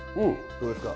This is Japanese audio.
どうですか。